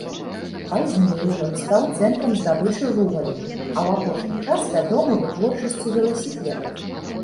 Пазней, ён стаў цэнтрам здабычы вугалю, а ў апошні час вядомы вытворчасцю веласіпедаў.